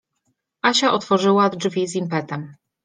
Asia otworzyła drzwi z impetem.